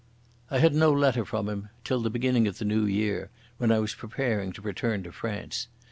I had no letter from him till the beginning of the New Year, when I was preparing to return to France.